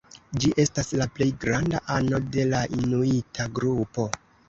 Ĝi estas la plej granda ano de la inuita grupo.